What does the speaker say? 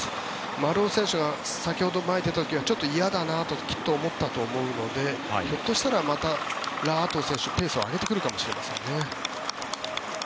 丸尾選手が先ほど前に出た時はちょっと嫌だなときっと思ったと思うのでひょっとしたらラ・アトウ選手ペースを上げてくるかもしれませんね。